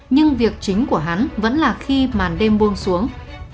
nhưng việc chính của hắn vẫn là khi màn đêm buông xuống